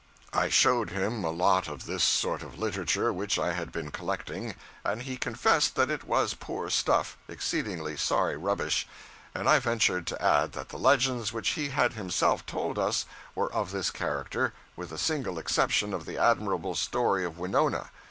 I showed him a lot of this sort of literature which I had been collecting, and he confessed that it was poor stuff, exceedingly sorry rubbish; and I ventured to add that the legends which he had himself told us were of this character, with the single exception of the admirable story of Winona.